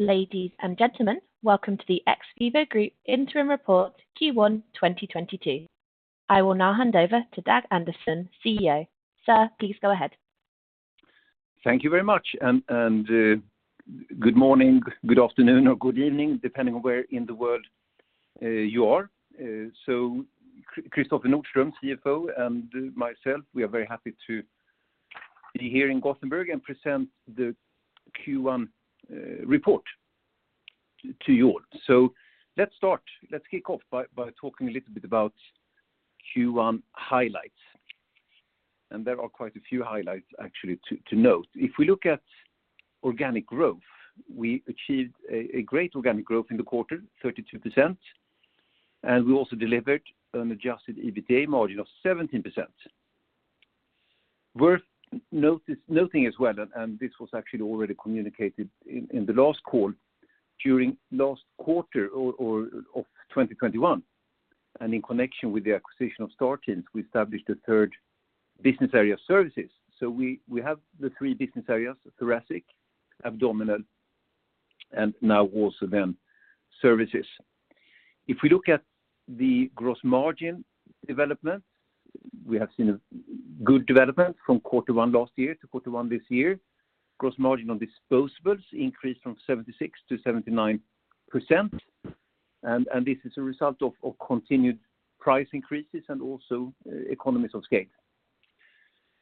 Ladies and gentlemen, welcome to the XVIVO Group Interim Report Q1 2022. I will now hand over to Dag Andersson, CEO. Sir, please go ahead. Thank you very much. Good morning, good afternoon, or good evening, depending on where in the world you are. Kristoffer Nordström, CFO, and myself, we are very happy to be here in Gothenburg and present the Q1 report to you all. Let's start. Let's kick off by talking a little bit about Q1 highlights. There are quite a few highlights actually to note. If we look at organic growth, we achieved a great organic growth in the quarter, 32%, and we also delivered an adjusted EBITDA margin of 17%. Worth noting as well, this was actually already communicated in the last call, during last quarter of 2021, and in connection with the acquisition of Star Teams, we established a third business area Services. We have the three business areas, thoracic, abdominal, and now also the services. If we look at the gross margin development, we have seen a good development from quarter one last year to quarter one this year. Gross margin on disposables increased from 76%-79%. This is a result of continued price increases and also economies of scale.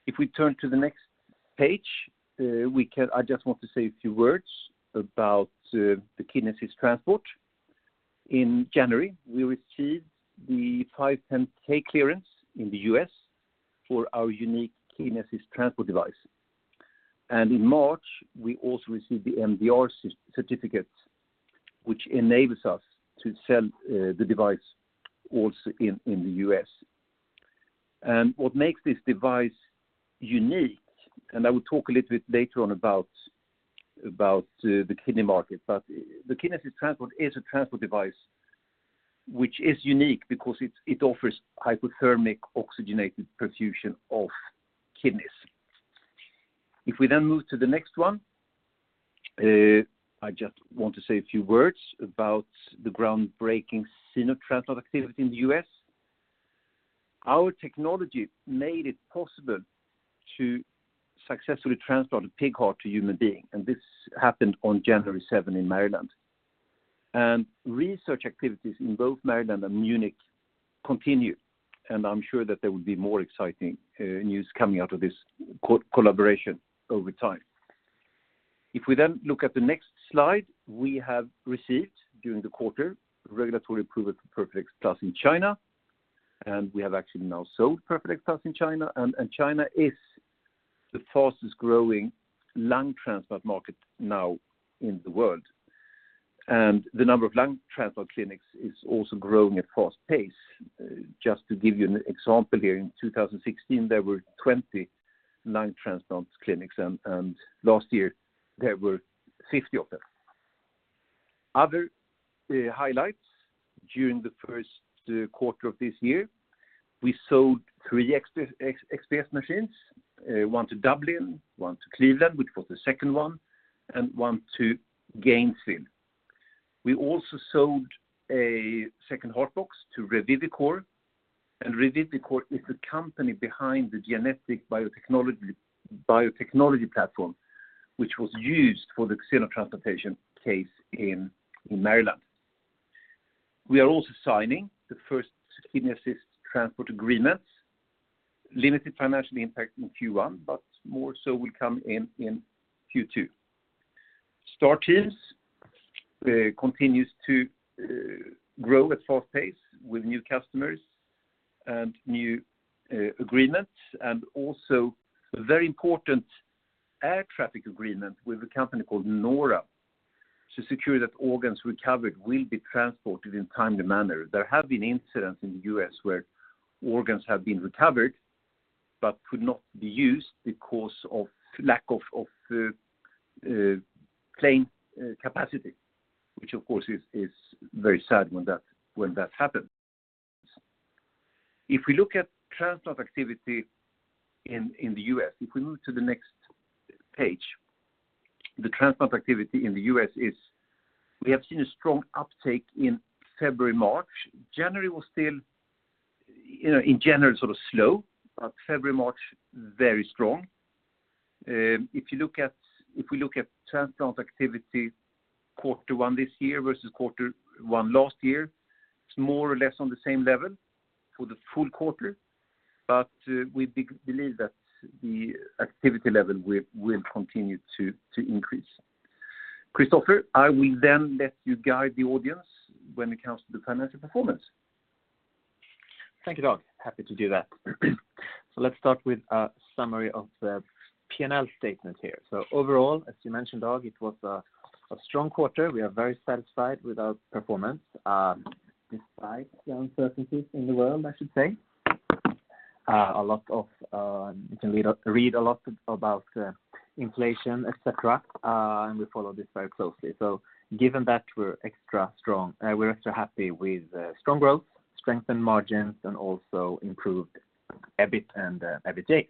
If we turn to the next page, I just want to say a few words about the Kidney Assist Transport. In January, we received the 510(k) clearance in the U.S. for our unique Kidney Assist Transport device. In March, we also received the MDR certificate, which enables us to sell the device also in the U.S. What makes this device unique? I will talk a little bit later on about the kidney market, but the Kidney Assist Transport is a transport device which is unique because it offers hypothermic oxygenated perfusion of kidneys. If we move to the next one, I just want to say a few words about the groundbreaking xenotransplant activity in the U.S. Our technology made it possible to successfully transplant a pig heart to human being, and this happened on January 7 in Maryland. Research activities in both Maryland and Munich continue, and I'm sure that there will be more exciting news coming out of this collaboration over time. If we look at the next slide, we have received during the quarter regulatory approval for PERFADEX Plus in China, and we have actually now sold PERFADEX Plus in China. China is the fastest-growing lung transplant market now in the world. The number of lung transplant clinics is also growing at fast pace. Just to give you an example here, in 2016, there were 20 lung transplant clinics, and last year there were 50 of them. Other highlights during the Q1 of this year, we sold three XPS machines, one to Dublin, one to Cleveland, which was the second one, and one to Gainesville. We also sold a second HeartBox to Revivicor. Revivicor is the company behind the genetic biotechnology platform, which was used for the xenotransplantation case in Maryland. We are also signing the first Kidney Assist Transport agreements, limited financial impact in Q1, but more so will come in Q2. Star Teams continues to grow at fast pace with new customers and new agreements, and also a very important air traffic agreement with a company called NORA to secure that organs recovered will be transported in timely manner. There have been incidents in the U.S. where organs have been recovered but could not be used because of lack of plane capacity, which of course is very sad when that happens. If we look at transplant activity in the U.S., if we move to the next page, the transplant activity in the U.S. is we have seen a strong uptake in February, March. January was still in general, sort of slow, but February, March, very strong. If we look at transplant activity quarter one this year versus quarter one last year, it's more or less on the same level for the full quarter, but we believe that the activity level will continue to increase. Kristoffer, I will then let you guide the audience when it comes to the financial performance. Thank you, Dag. Happy to do that. Let's start with a summary of the P&L statement here. Overall, as you mentioned, Dag, it was a strong quarter. We are very satisfied with our performance, despite the uncertainties in the world, I should say. A lot of you can read a lot about inflation, et cetera, and we follow this very closely. Given that we're extra strong, we're extra happy with strong growth, strengthened margins, and also improved and EBIT and EBITDA.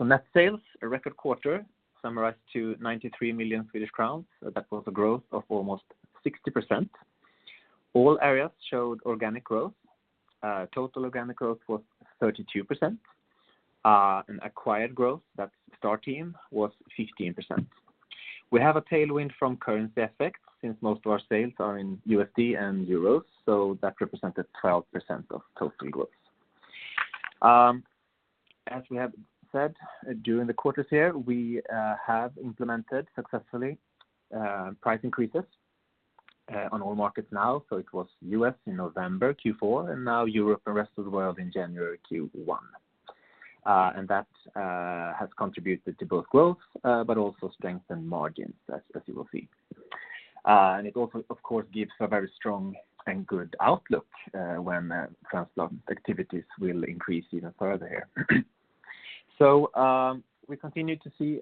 Net sales, a record quarter summarized to 93 million Swedish crowns. That was a growth of almost 60%. All areas showed organic growth. Total organic growth was 32%. And acquired growth, that's Star Teams, was 15%. We have a tailwind from currency effects since most of our sales are in USD and euros, so that represented 12% of total growth. As we have said, during the quarters here, we have implemented successfully price increases on all markets now. It was U.S. in November, Q4, and now Europe and rest of the world in January, Q1. That has contributed to both growth but also strengthened margins as you will see. It also, of course, gives a very strong and good outlook when transplant activities will increase even further here. We continue to see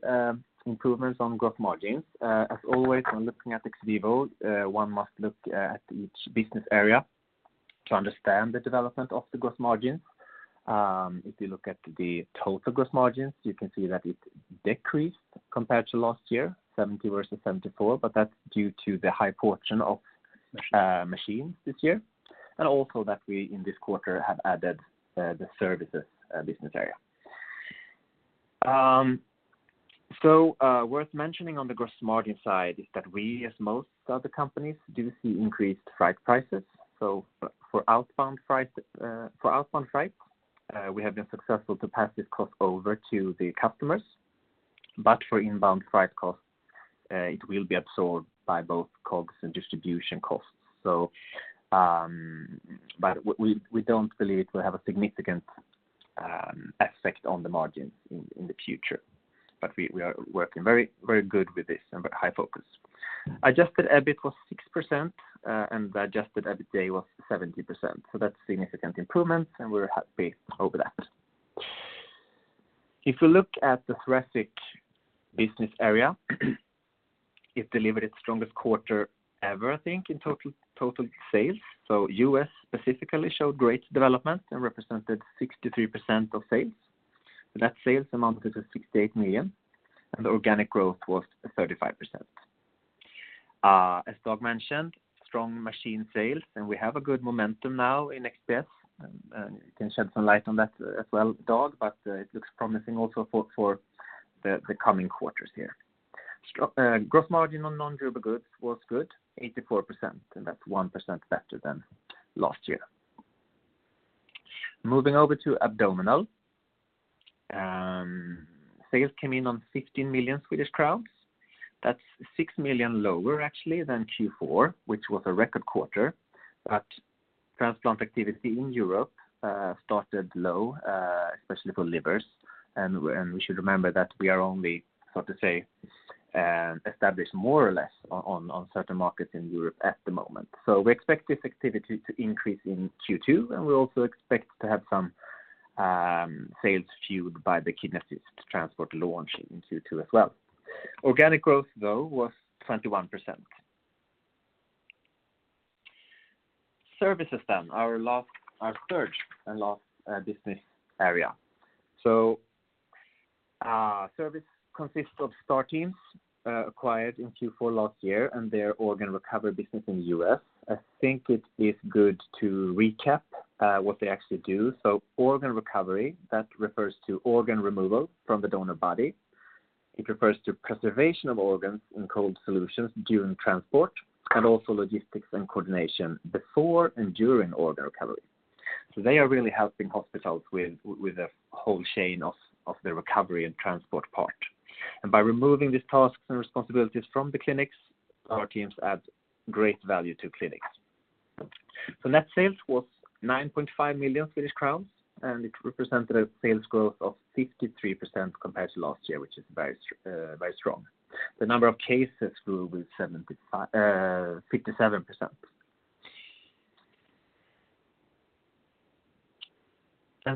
improvements on growth margins. As always, when looking at XVIVO, one must look at each business area to understand the development of the growth margin. If you look at the total gross margins, you can see that it decreased compared to last year, 70% versus 74%, but that's due to the high portion of machines this year, and also that we in this quarter have added the services business area. Worth mentioning on the gross margin side is that we, as most other companies, do see increased freight prices. For outbound freight, we have been successful to pass this cost on to the customers. For inbound freight costs, it will be absorbed by both COGS and distribution costs. We don't believe it will have a significant effect on the margins in the future. We are working very good with this and with high focus. Adjusted EBIT was 6%, and the adjusted EBITDA was 70%. That's significant improvements, and we're happy over that. If you look at the thoracic business area, it delivered its strongest quarter ever, I think, in total sales. U.S. specifically showed great development and represented 63% of sales. Net sales amounted to 68 million, and the organic growth was 35%. As Dag mentioned, strong machine sales, and we have a good momentum now in XPS. You can shed some light on that as well, Dag, but it looks promising also for the coming quarters here. Gross margin on non-reimbursable goods was good, 84%, and that's 1% better than last year. Moving over to abdominal. Sales came in on 50 million Swedish crowns. That's 6 million lower actually than Q4, which was a record quarter. Transplant activity in Europe started low, especially for livers. We should remember that we are only, so to say, established more or less on certain markets in Europe at the moment. We expect this activity to increase in Q2, and we also expect to have some sales fueled by the Kidney Assist Transport launch in Q2 as well. Organic growth, though, was 21%. Services then, our third and last business area. Services consists of Star Teams, acquired in Q4 last year and their organ recovery business in U.S. I think it is good to recap what they actually do. Organ recovery, that refers to organ removal from the donor body. It refers to preservation of organs in cold solutions during transport, and also logistics and coordination before and during organ recovery. They are really helping hospitals with the whole chain of the recovery and transport part. By removing these tasks and responsibilities from the clinics, Star Teams adds great value to clinics. Net sales was 9.5 million Swedish crowns, and it represented a sales growth of 53% compared to last year, which is very strong. The number of cases grew with 57%.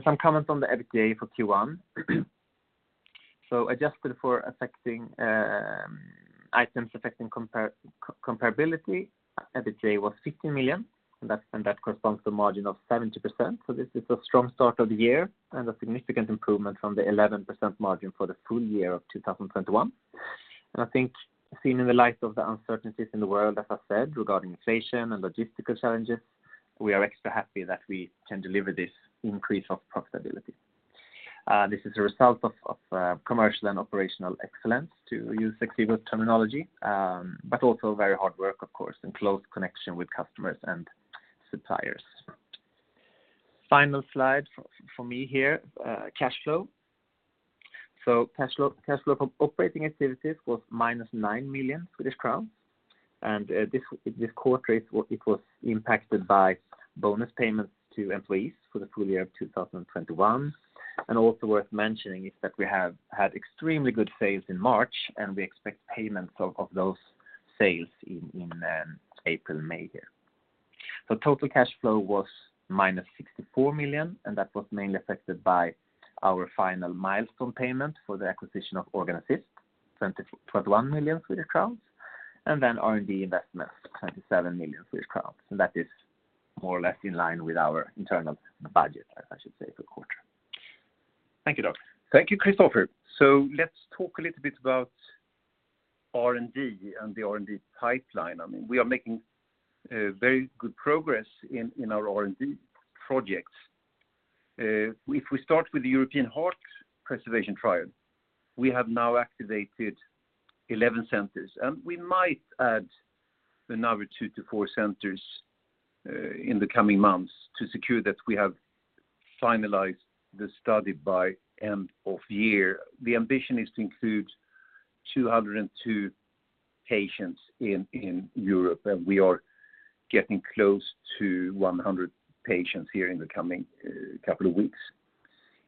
Some comments on the EBITDA for Q1. Adjusted for items affecting comparability, EBITDA was 50 million, and that corresponds to a margin of 70%. This is a strong start of the year and a significant improvement from the 11% margin for the full year of 2021. I think seen in the light of the uncertainties in the world, as I said, regarding inflation and logistical challenges, we are extra happy that we can deliver this increase of profitability. This is a result of commercial and operational excellence to use Ex Vivo terminology, but also very hard work, of course, in close connection with customers and suppliers. Final slide for me here, cash flow. Cash flow from operating activities was -9 million Swedish crowns, and this quarter it was impacted by bonus payments to employees for the full year of 2021. Also worth mentioning is that we have had extremely good sales in March, and we expect payments of those sales in April and May here. Total cash flow was minus 64 million, and that was mainly affected by our final milestone payment for the acquisition of Organ Assist, 21 million Swedish crowns. R&D investment, 27 million Swedish crowns, and that is more or less in line with our internal budget, I should say, for the quarter. Thank you, Dag. Thank you, Kristoffer. Let's talk a little bit about R&D and the R&D pipeline. I mean, we are making very good progress in our R&D projects. If we start with the European heart preservation trial, we have now activated 11 centers, and we might add another two-four centers in the coming months to secure that we have finalized the study by end of year. The ambition is to include 202 patients in Europe, and we are getting close to 100 patients here in the coming couple of weeks.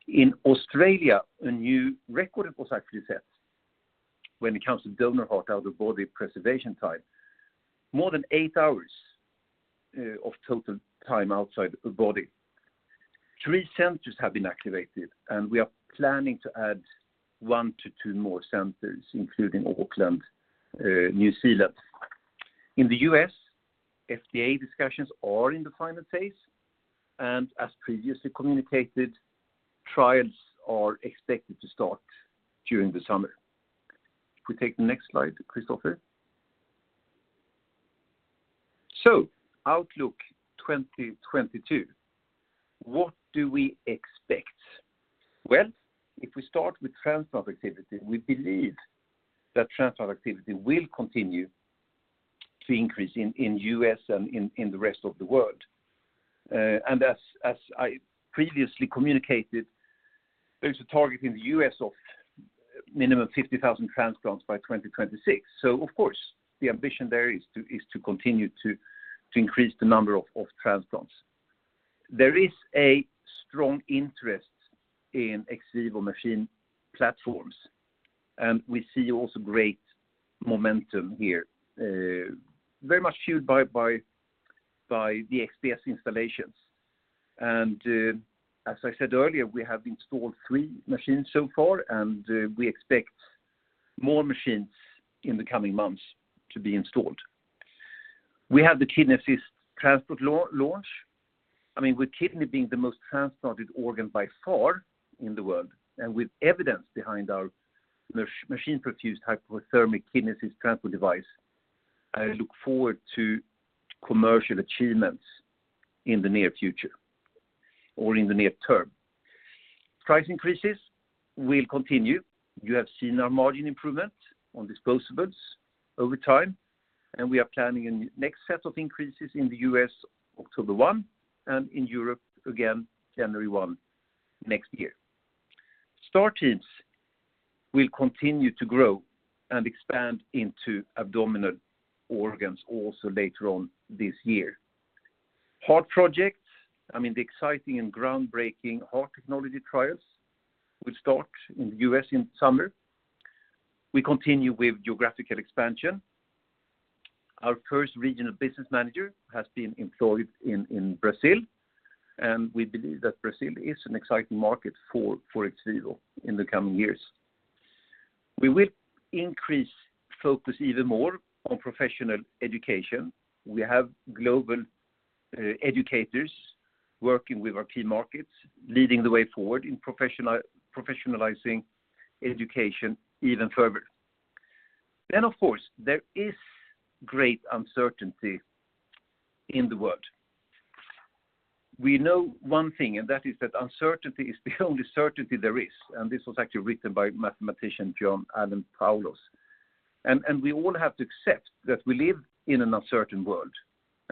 In Australia, a new record was actually set when it comes to donor heart out-of-body preservation time, more than eight hours of total time outside the body. Three centers have been activated, and we are planning to add one-two more centers, including Auckland, New Zealand. In the U.S., FDA discussions are in the final phase, and as previously communicated, trials are expected to start during the summer. If we take the next slide, Kristoffer. Outlook 2022. What do we expect? Well, if we start with transplant activity, we believe that transplant activity will continue to increase in U.S. and in the rest of the world. And as I previously communicated, there's a target in the U.S. of minimum 50,000 transplants by 2026. Of course, the ambition there is to continue to increase the number of transplants. There is a strong interest in ex vivo machine platforms, and we see also great momentum here, very much fueled by the XPS installations. as I said earlier, we have installed three machines so far, and we expect more machines in the coming months to be installed. We have the Kidney Assist Transport launch. I mean, with kidney being the most transplanted organ by far in the world, and with evidence behind our machine perfusion hypothermic Kidney Assist Transport device, I look forward to commercial achievements in the near future or in the near term. Price increases will continue. You have seen our margin improvement on disposables over time, and we are planning a next set of increases in the U.S., October 1, and in Europe again, January 1 next year. Star Teams will continue to grow and expand into abdominal organs also later on this year. Heart projects, I mean, the exciting and groundbreaking heart technology trials will start in the U.S. in summer. We continue with geographical expansion. Our first regional business manager has been employed in Brazil, and we believe that Brazil is an exciting market for ex vivo in the coming years. We will increase focus even more on professional education. We have global educators working with our key markets, leading the way forward in professionalizing education even further. Of course, there is great uncertainty in the world. We know one thing, and that is that uncertainty is the only certainty there is, and this was actually written by mathematician John Allen Paulos. We all have to accept that we live in an uncertain world,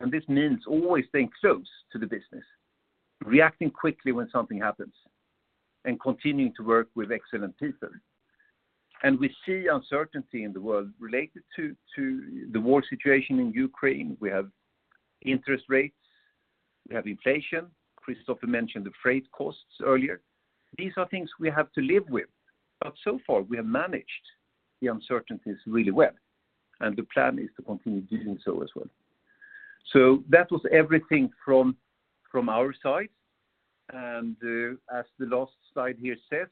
and this means always staying close to the business, reacting quickly when something happens, and continuing to work with excellent people. We see uncertainty in the world related to the war situation in Ukraine. We have interest rates. We have inflation. Kristoffer mentioned the freight costs earlier. These are things we have to live with. So far, we have managed the uncertainties really well, and the plan is to continue doing so as well. That was everything from our side. As the last slide here says,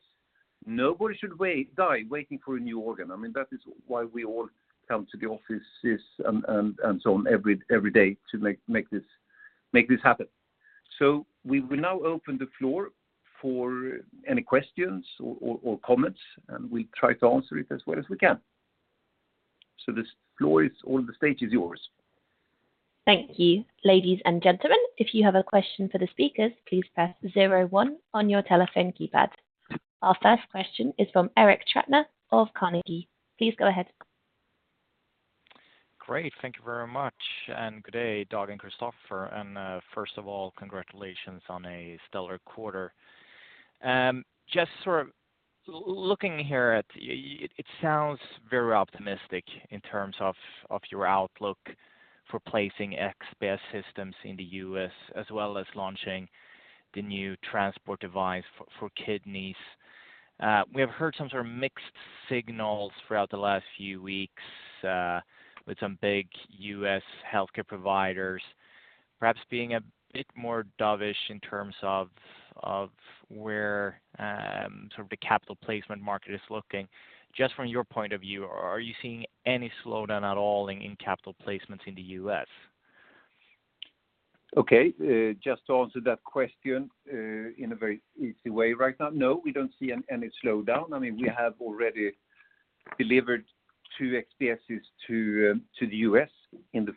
nobody should die waiting for a new organ. I mean, that is why we all come to the offices and so on every day to make this happen. We will now open the floor for any questions or comments, and we'll try to answer it as well as we can. The floor is all yours. The stage is yours. Thank you. Ladies and gentlemen, if you have a question for the speakers, please press zero one on your telephone keypad. Our first question is from Ulrik Trattner of Carnegie. Please go ahead. Great. Thank you very much. Good day, Dag and Kristoffer. First of all, congratulations on a stellar quarter. Just sort of looking here at it sounds very optimistic in terms of your outlook for placing XPS systems in the U.S. as well as launching the new transport device for kidneys. We have heard some sort of mixed signals throughout the last few weeks with some big U.S. healthcare providers perhaps being a bit more dovish in terms of where sort of the capital placement market is looking. Just from your point of view, are you seeing any slowdown at all in capital placements in the U.S.? Okay. Just to answer that question, in a very easy way right now, no, we don't see any slowdown. I mean, we have already delivered 2 XPSs to the U.S. in the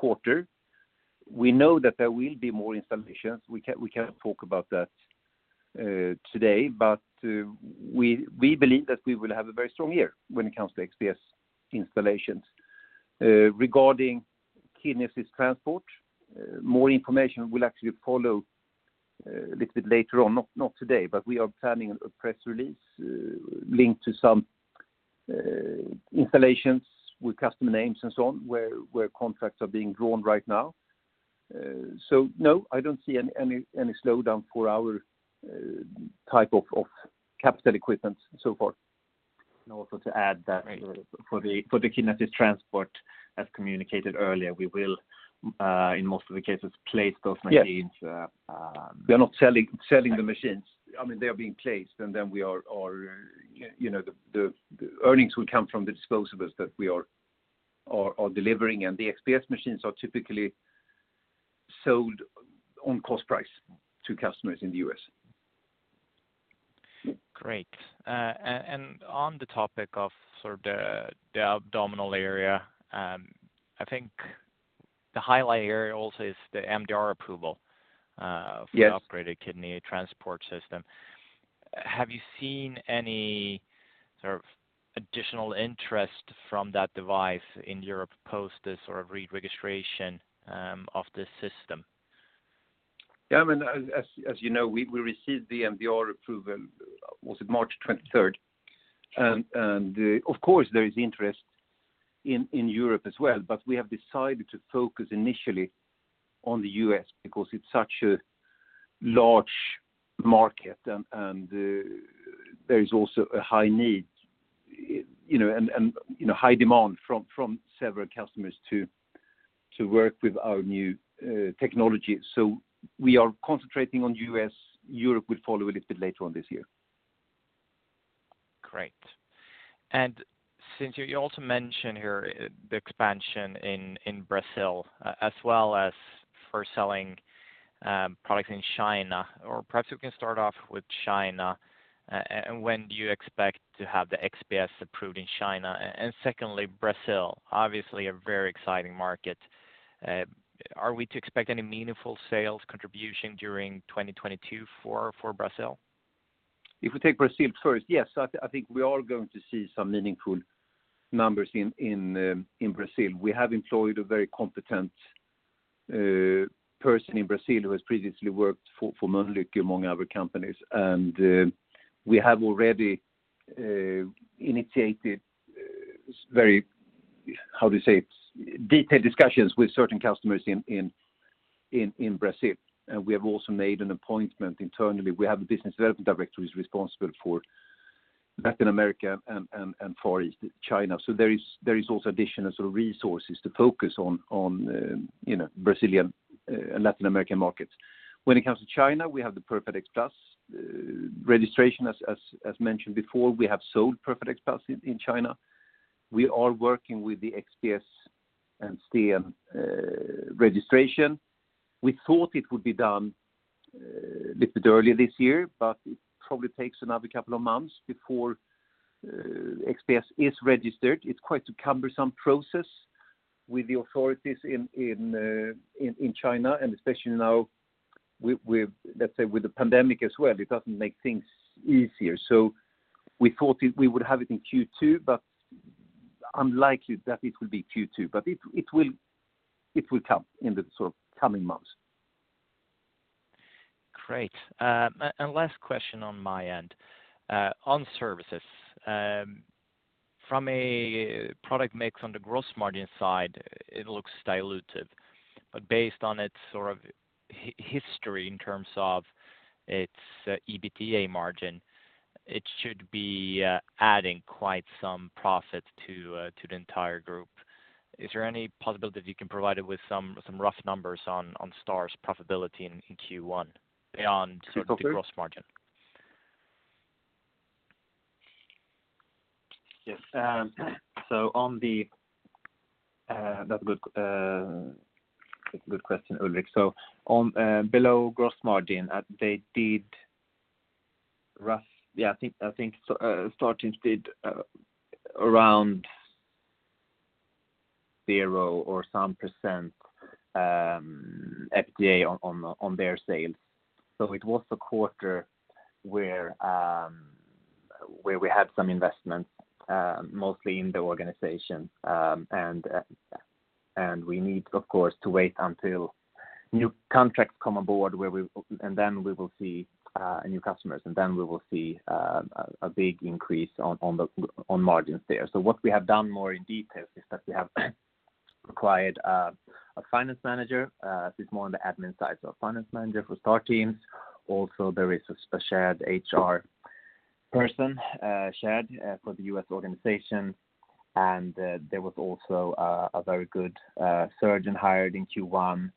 Q1. We know that there will be more installations. We can't talk about that today, but we believe that we will have a very strong year when it comes to XPS installations. Regarding kidneys transport, more information will actually follow a little bit later on, not today, but we are planning a press release linked to some installations with customer names and so on, where contracts are being drawn right now. So no, I don't see any slowdown for our type of capital equipment so far. To add that for the Kidney Assist Transport, as communicated earlier, we will in most of the cases place those machines. Yes. We are not selling the machines. I mean, they are being placed, and then we are you know the earnings will come from the disposables that we are delivering. The XPS machines are typically sold on cost price to customers in the U.S. Great. On the topic of sort of the abdominal area, I think the highlight area also is the MDR approval. Yes ...for the upgraded kidney transport system. Have you seen any sort of additional interest from that device in Europe post the sort of re-registration of the system? Yeah, I mean, as you know, we received the MDR approval, was it March 23rd? Of course, there is interest in Europe as well, but we have decided to focus initially on the U.S. because it's such a large market and there is also a high need, you know, and you know, high demand from several customers to work with our new technology. We are concentrating on U.S. Europe will follow a little bit later on this year. Great. Since you also mentioned here the expansion in Brazil as well as for selling products in China, perhaps you can start off with China, and when do you expect to have the XPS approved in China? Secondly, Brazil, obviously a very exciting market. Are we to expect any meaningful sales contribution during 2022 for Brazil? If we take Brazil first, yes, I think we are going to see some meaningful numbers in Brazil. We have employed a very competent person in Brazil who has previously worked for Mölnlycke among other companies. We have already initiated very detailed discussions with certain customers in Brazil. We have also made an appointment internally. We have a business development director who is responsible for Latin America and for East Asia. There is also additional sort of resources to focus on Brazilian and Latin American markets. When it comes to China, we have the PERFADEX Plus registration as mentioned before. We have sold PERFADEX Plus in China. We are working with the XPS and STEEN registration. We thought it would be done a little bit earlier this year, but it probably takes another couple of months before XPS is registered. It's quite a cumbersome process with the authorities in China, and especially now, let's say, with the pandemic as well, it doesn't make things easier. We thought we would have it in Q2, but unlikely that it will be Q2. It will come in the sort of coming months. Great. Last question on my end. On services, from a product mix on the gross margin side, it looks dilutive. Based on its sort of history in terms of its EBITDA margin, it should be adding quite some profit to the entire group. Is there any possibility that you can provide it with some rough numbers on Star's profitability in Q1 beyond sort of the gross margin? Yes. That's a good question, Ulrik. On below gross margin, Star Teams did around 0% or some percent EBITDA on their sales. It was a quarter where we had some investments, mostly in the organization. We need, of course, to wait until new contracts come aboard, and then we will see new customers, and then we will see a big increase on the margins there. What we have done more in detail is that we have acquired a finance manager. This is more on the admin side, so a finance manager for Star Teams. Also, there is a shared HR person for the U.S. organization. there was also a very good surgeon hired in Q1.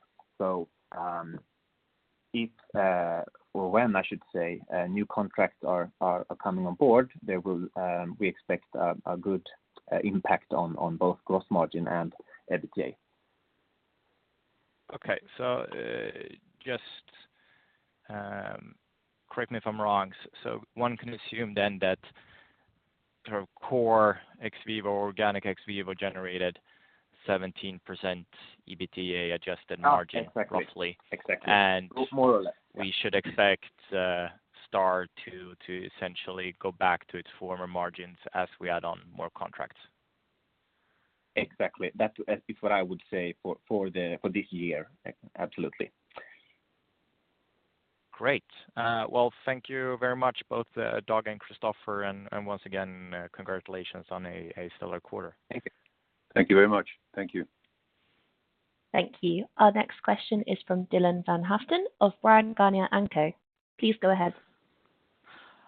If or when, I should say, new contracts are coming on board, we expect a good impact on both gross margin and EBITDA. Just correct me if I'm wrong. One can assume then that sort of core XVIVO or organic XVIVO generated 17% EBITDA adjusted margin- Exactly. -roughly. Exactly. And- More or less. Yeah. We should expect Star Teams to essentially go back to its former margins as we add on more contracts. Exactly. That is what I would say for this year. Absolutely. Great. Well, thank you very much, both Dag and Kristoffer, and once again, congratulations on a stellar quarter. Thank you very much. Thank you. Our next question is from Dylan van Haaften of Bryan, Garnier & Co. Please go ahead.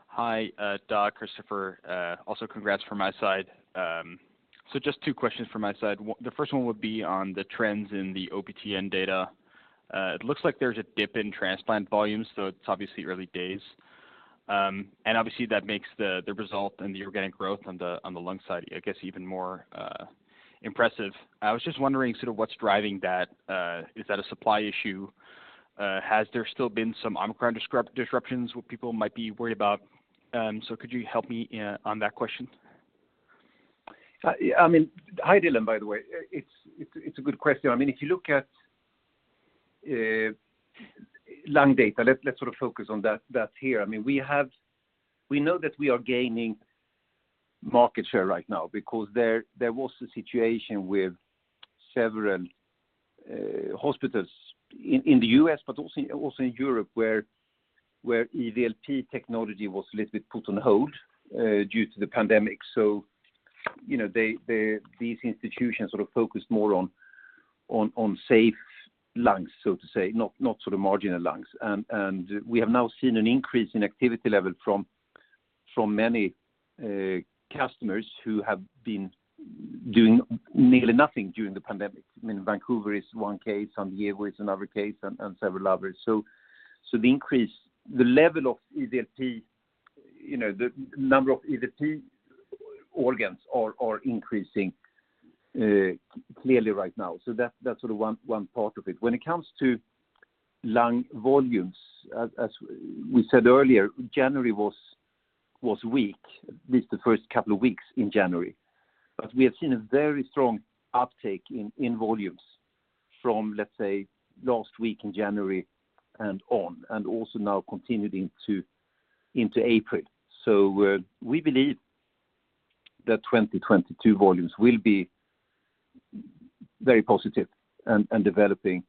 Hi, Dag, Kristoffer. Also congrats from my side. Just two questions from my side. One, the first one would be on the trends in the OPTN data. It looks like there's a dip in transplant volumes, so it's obviously early days. And obviously, that makes the result and the organic growth on the lung side, I guess, even more impressive. I was just wondering sort of what's driving that. Is that a supply issue? Has there still been some Omicron disruptions where people might be worried about? Could you help me on that question? I mean, hi, Dylan, by the way. It's a good question. I mean, if you look at lung data, let's sort of focus on that here. I mean, we know that we are gaining market share right now because there was a situation with several hospitals in the U.S., but also in Europe, where EVLP technology was a little bit put on hold due to the pandemic. You know, these institutions sort of focused more on safe lungs, so to say, not sort of marginal lungs. We have now seen an increase in activity level from many customers who have been doing nearly nothing during the pandemic. I mean, Vancouver is one case, and the other is another case and several others. The level of EVLP, you know, the number of EVLP organs are increasing clearly right now. That's sort of one part of it. When it comes to lung volumes, as we said earlier, January was weak, at least the first couple of weeks in January. We have seen a very strong uptake in volumes from, let's say, last week in January and on, and also now continuing into April. We believe that 2022 volumes will be very positive and developing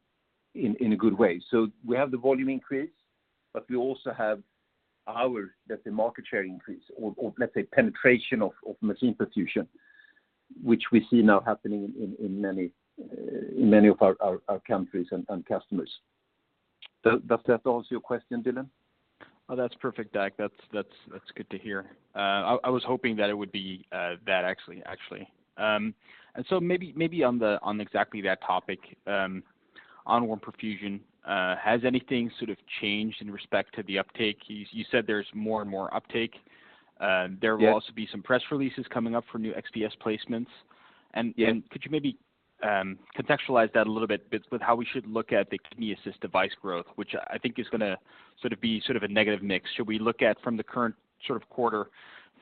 in a good way. We have the volume increase, but we also have our, let's say, market share increase or let's say, penetration of machine perfusion, which we see now happening in many of our countries and customers. Does that answer your question, Dylan? Oh, that's perfect, Dag. That's good to hear. I was hoping that it would be. Maybe on exactly that topic, on warm perfusion, has anything sort of changed in respect to the uptake? You said there's more and more uptake. Yeah. There will also be some press releases coming up for new XPS placements. Yeah. Could you maybe contextualize that a little bit with how we should look at the Kidney Assist device growth, which I think is gonna sort of be sort of a negative mix. Should we look at from the current sort of quarter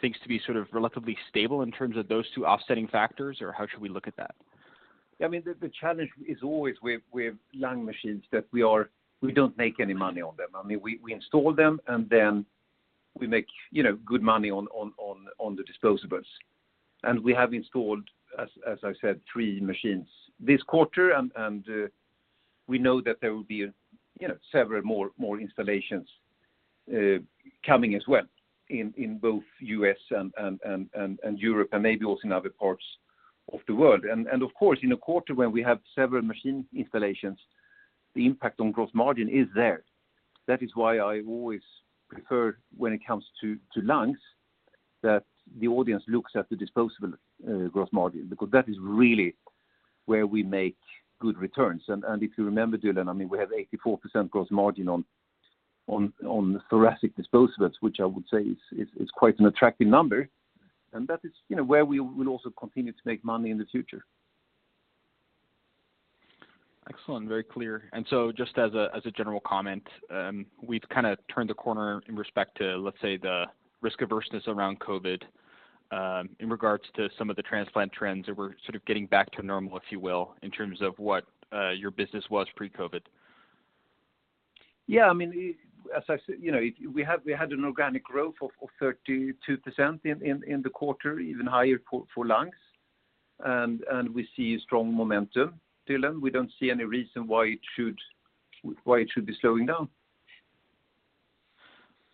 things to be sort of relatively stable in terms of those two offsetting factors, or how should we look at that? I mean, the challenge is always with lung machines that we don't make any money on them. I mean, we install them and then we make, you know, good money on the disposables. We have installed, as I said, three machines this quarter. We know that there will be, you know, several more installations coming as well in both U.S. and Europe and maybe also in other parts of the world. Of course, in a quarter where we have several machine installations, the impact on gross margin is there. That is why I always prefer when it comes to lungs, that the audience looks at the disposable gross margin, because that is really where we make good returns. If you remember, Dylan, I mean, we have 84% gross margin on the thoracic disposables, which I would say is quite an attractive number. That is, you know, where we will also continue to make money in the future. Excellent. Very clear. Just as a general comment, we've kinda turned the corner in respect to, let's say, the risk averseness around COVID, in regards to some of the transplant trends that we're sort of getting back to normal, if you will, in terms of what your business was pre-COVID. Yeah. I mean, as I said, you know, we had an organic growth of 32% in the quarter, even higher for lungs. We see strong momentum, Dylan. We don't see any reason why it should be slowing down.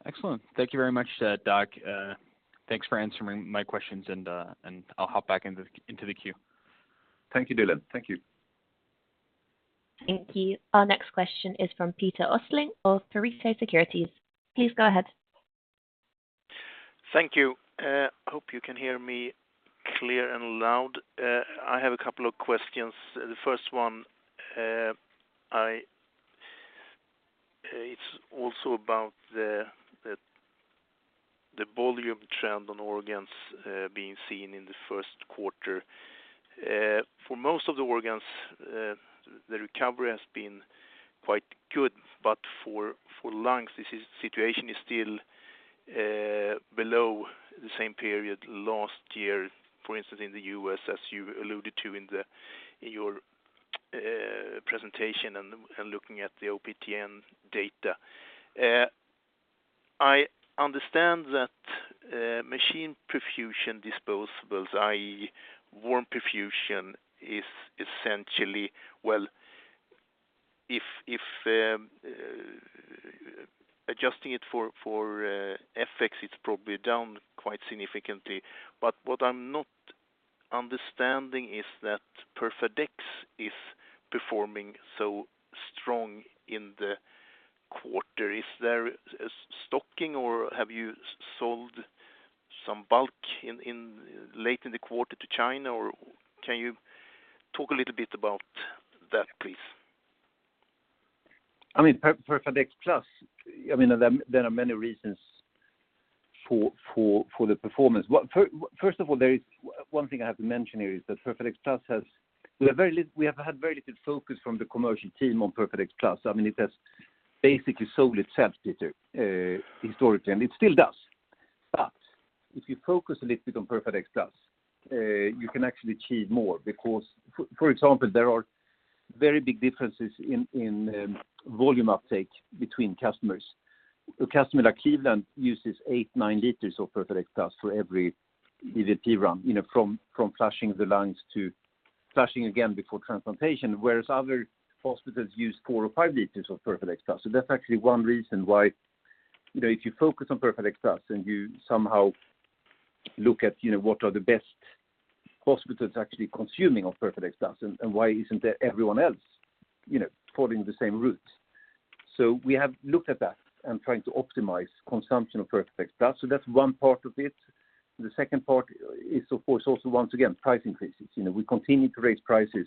Excellent. Thank you very much, Dag. Thanks for answering my questions, and I'll hop back into the queue. Thank you, Dylan. Thank you. Thank you. Our next question is from Peter Östling of Pareto Securities. Please go ahead. Thank you. Hope you can hear me clear and loud. I have a couple of questions. The first one, it's also about the volume trend on organs being seen in the Q1. For most of the organs, the recovery has been quite good, but for lungs, situation is still below the same period last year, for instance, in the U.S. as you alluded to in your presentation and looking at the OPTN data. I understand that machine perfusion disposables, i.e., warm perfusion, is essentially well, if adjusting it for FX, it's probably down quite significantly. But what I'm not understanding is that PERFADEX is performing so strong in the quarter. Is there a stocking, or have you sold some bulk in late in the quarter to China or can you talk a little bit about that, please? I mean, PERFADEX Plus, there are many reasons for the performance. Well, first of all, there is one thing I have to mention here is that PERFADEX Plus has. We have had very little focus from the commercial team on PERFADEX Plus. I mean, it has basically sold itself, Peter, historically, and it still does. If you focus a little bit on PERFADEX Plus, you can actually achieve more because for example, there are very big differences in volume uptake between customers. A customer like Cleveland uses 8-9 L of PERFADEX Plus for every EVLP run, you know, from flushing the lungs to flushing again before transplantation, whereas other hospitals use 4 or 5 L of PERFADEX Plus. That's actually one reason why, you know, if you focus on PERFADEX Plus and you somehow look at, you know, what are the best hospitals actually consuming of PERFADEX Plus and why isn't everyone else, you know, following the same route. We have looked at that and trying to optimize consumption of PERFADEX Plus. That's one part of it. The second part is, of course, also once again, price increases. You know, we continue to raise prices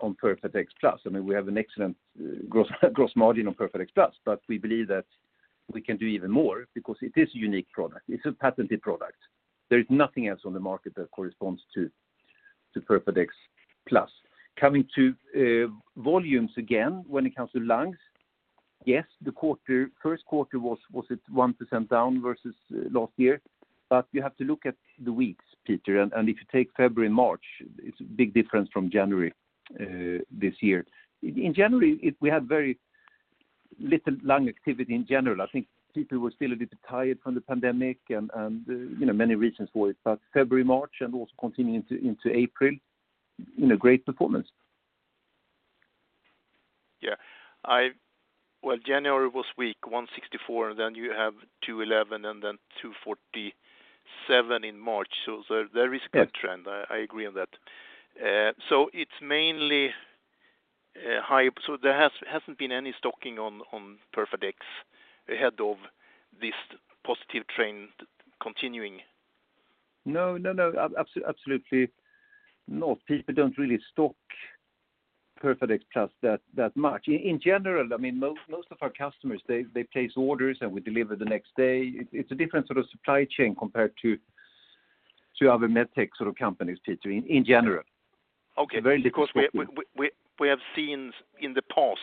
on PERFADEX Plus. I mean, we have an excellent gross margin on PERFADEX Plus, but we believe that we can do even more because it is a unique product. It's a patented product. There is nothing else on the market that corresponds to PERFADEX Plus. Coming to volumes again, when it comes to lungs, yes, the Q1 was at 1% down versus last year. You have to look at the weeks, Peter. If you take February, March, it's a big difference from January this year. In January, we had very little lung activity in general. I think people were still a little bit tired from the pandemic and, you know, many reasons for it. February, March, and also continuing into April, you know, great performance. Yeah. Well, January was weak, 164, and then you have 211 and then 247 in March. There is- Yeah a trend. I agree on that. It's mainly high. There hasn't been any stocking on PERFADEX ahead of this positive trend continuing. No, no. Absolutely not. People don't really stock PERFADEX Plus that much. In general, I mean, most of our customers, they place orders, and we deliver the next day. It's a different sort of supply chain compared to other med tech sort of companies, Peter, in general. Okay. Very difficult to- We have seen in the past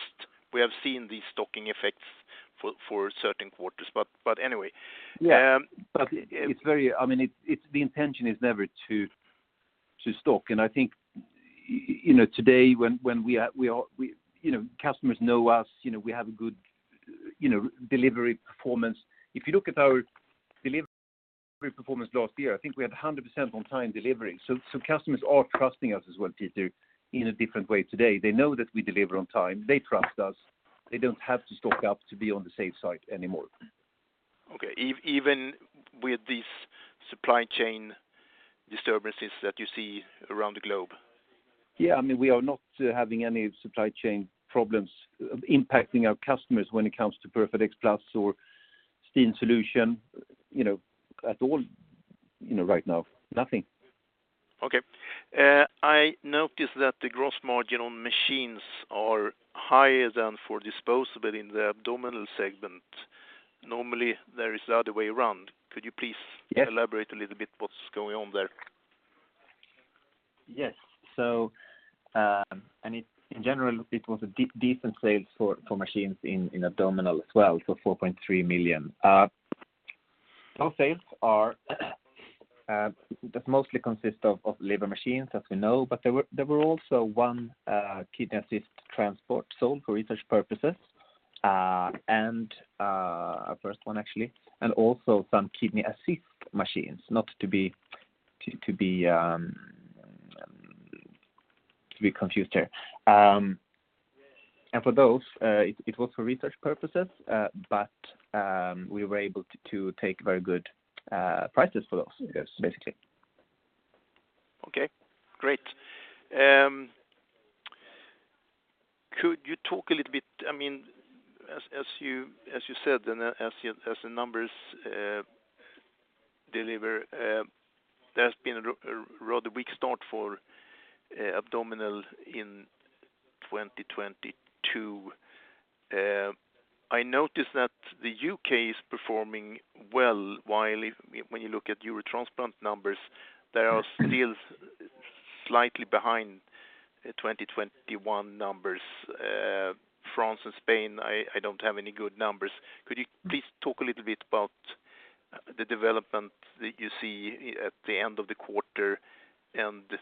these stocking effects for certain quarters. Anyway. Yeah. Um- It's very. I mean, it the intention is never to stock. I think you know, today when we are you know, customers know us. You know, we have a good you know, delivery performance. If you look at our delivery performance last year, I think we had 100% on time delivery. Customers are trusting us as well, Peter, in a different way today. They know that we deliver on time. They trust us. They don't have to stock up to be on the safe side anymore. Okay. Even with these supply chain disturbances that you see around the globe? Yeah. I mean, we are not having any supply chain problems impacting our customers when it comes to PERFADEX Plus or STEEN Solution, you know, at all, you know, right now. Nothing. Okay. I noticed that the gross margin on machines are higher than for disposable in the abdominal segment. Normally, there is the other way around. Could you please- Yeah Elaborate a little bit what's going on there? Yes. I mean, in general, it was a decent sales for machines in abdominal as well, so 4.3 million. Those sales mostly consist of Liver Assist machines, as we know. There were also one Kidney Assist Transport sold for research purposes, and our first one actually, and also some Kidney Assist machines, not to be confused here. For those, it was for research purposes. We were able to take very good prices for those. Yes Basically. Okay, great. Could you talk a little bit, I mean, as you said, as the numbers deliver, there has been a rather weak start for abdominal in 2022. I noticed that the U.K. is performing well, while when you look at Eurotransplant numbers, they are still slightly behind the 2021 numbers. France and Spain, I don't have any good numbers. Could you please talk a little bit about the development that you see at the end of the quarter and the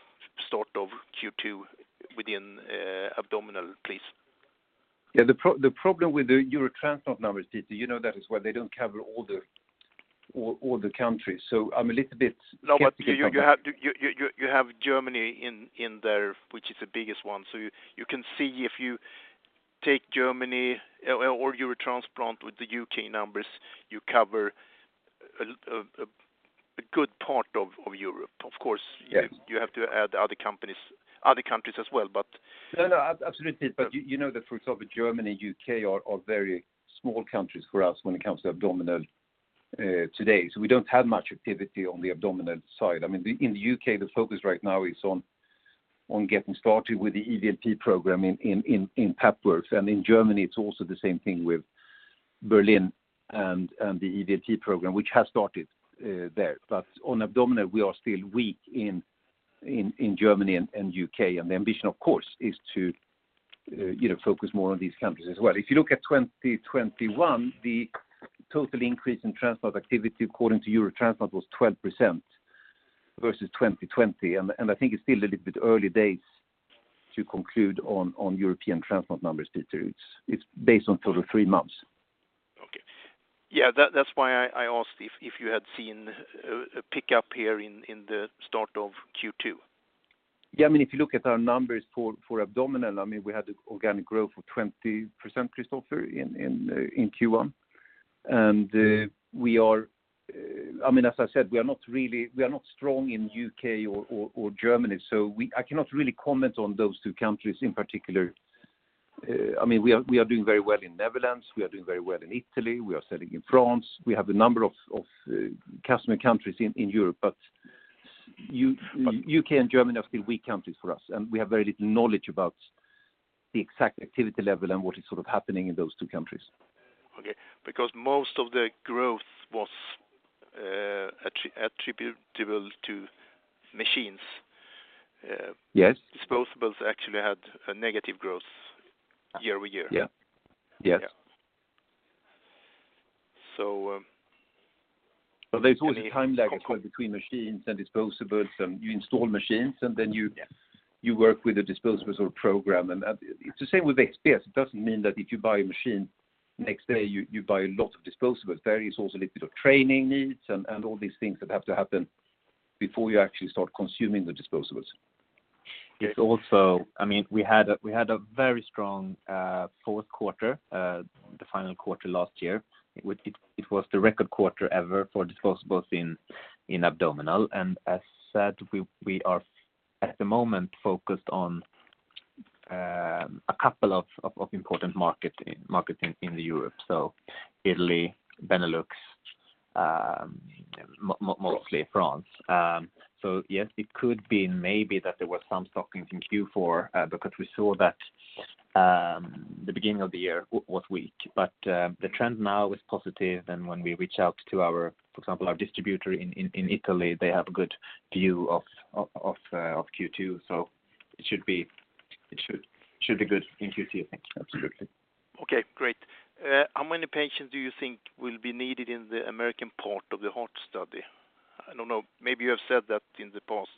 start of Q2 within abdominal, please? Yeah. The problem with the Eurotransplant numbers, Peter, you know that as well, they don't cover all the countries. I'm a little bit skeptical about that. No, you have Germany in there, which is the biggest one. You can see if you take Germany or Eurotransplant with the U.K. numbers, you cover a good part of Europe. Of course- Yes You have to add other companies, other countries as well, but. No, absolutely. Yeah. You know that for example, Germany, U.K. are very small countries for us when it comes to abdominal today. So we don't have much activity on the abdominal side. I mean, in the U.K., the focus right now is on getting started with the EVLP program in Papworth. In Germany it's also the same thing with Berlin and the EVLP program, which has started there. On abdominal, we are still weak in Germany and U.K. The ambition, of course, is to you know, focus more on these countries as well. If you look at 2021, the total increase in transplant activity according to Eurotransplant was 12% versus 2020. I think it's still a little bit early days to conclude on European transplant numbers, Peter. It's based on total three months. Okay. Yeah. That's why I asked if you had seen a pickup here in the start of Q2. Yeah. I mean, if you look at our numbers for abdominal, I mean, we had organic growth of 20%, Kristoffer, in Q1. We are not strong in U.K. or Germany, so I cannot really comment on those two countries in particular. I mean, we are doing very well in Netherlands. We are doing very well in Italy. We are selling in France. We have a number of customer countries in Europe, but Okay U.K. and Germany are still weak countries for us, and we have very little knowledge about the exact activity level and what is sort of happening in those two countries. Okay. Because most of the growth was attributable to machines. Yes Disposables actually had a negative growth year-over-year. Yeah. Yes. Yeah. There's always a time lag as well between machines and disposables, and you install machines and then you- Yes You work with the disposables or program. It's the same with XPS. It doesn't mean that if you buy a machine, next day you buy a lot of disposables. There is also a little bit of training needs and all these things that have to happen before you actually start consuming the disposables. It's also I mean, we had a very strong Q4, the final quarter last year. It was the record quarter ever for disposables in abdominal. As said, we are at the moment focused on a couple of important markets in Europe. Italy, Benelux, mostly France. Yes, it could be maybe that there was some stockings in Q4, because we saw that the beginning of the year was weak. The trend now is positive, and when we reach out to our, for example, distributor in Italy, they have a good view of Q2. It should be good in Q2. Thank you. Absolutely. Okay, great. How many patients do you think will be needed in the American part of the Heart Study? I don't know. Maybe you have said that in the past.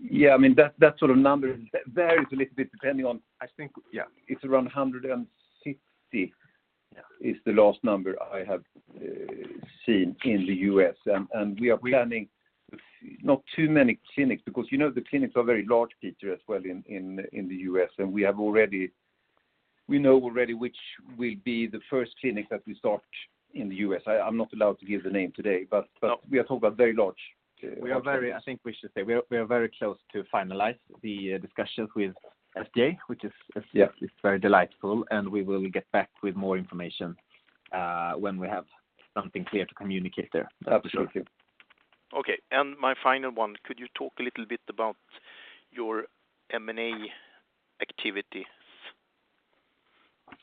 I mean, that sort of number varies a little bit depending on- I think- Yeah. It's around 160- Yeah... is the last number I have seen in the U.S. We are planning- We- Not too many clinics because, you know, the clinics are very large footprint as well in the U.S., and we know already which will be the first clinic that we start in the U.S. I'm not allowed to give the name today, but No... we are talking about very large, objects. I think we should say we are very close to finalize the discussions with FDA, which is as said. Yes... is very delightful, and we will get back with more information when we have something clear to communicate there. Absolutely. Okay. My final one, could you talk a little bit about your M&A activities?